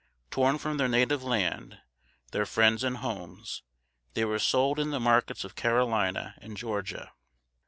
Torn from their native land, their friends and homes, they were sold in the markets of Carolina and Georgia.